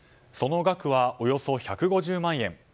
その額はおよそ１５０万円。